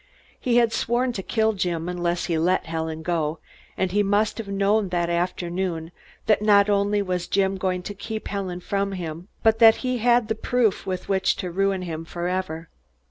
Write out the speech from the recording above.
He had sworn to kill Jim, unless he let Helen go, and he must have known that afternoon that not only was Jim going to keep Helen from him, but that he had the proof with which to ruin him forever.